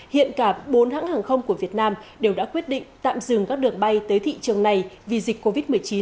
hiện cả bốn hãng hàng không của việt nam đều đã quyết định tạm dừng các đường bay tới thị trường này vì dịch covid một mươi chín